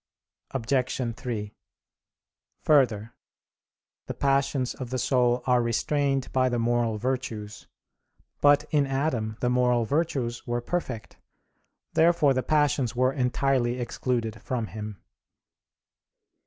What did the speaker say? Obj. 3: Further, the passions of the soul are restrained by the moral virtues. But in Adam the moral virtues were perfect. Therefore the passions were entirely excluded from him.